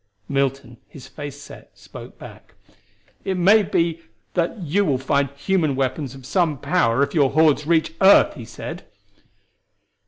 Milton, his face set, spoke back: "It may be that you will find human weapons of some power if your hordes reach earth," he said.